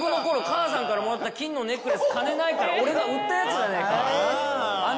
母さんからもらった金のネックレス金ないから俺が売ったやつじゃねえか。